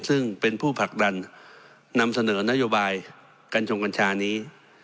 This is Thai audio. ซึ่งเป็นผู้ผลักดันนำเสนอนโยบายกัญชงกัญชานี้